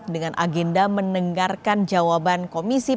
dengan agenda menenggarkan jawaban komisinya